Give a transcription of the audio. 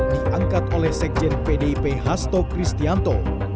diangkat oleh sekjen pdip hasto kristianto